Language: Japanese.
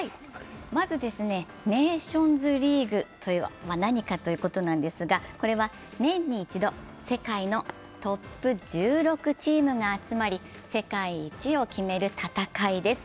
まず、ネーションズリーグとは何かということなんですがこれは年に一度、世界のトップ１６チームが集まり世界一を決める戦いです。